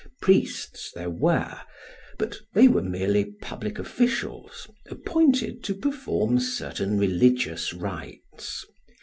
Priests there were, but they were merely public officials, appointed to perform certain religious rites.